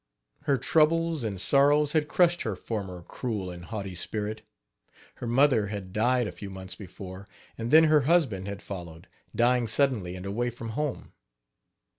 Her troubles and sorrows had crushed her former cruel and haughty spirit. Her mother had died a few months before, and then her husband had followed, dying suddenly and away from home.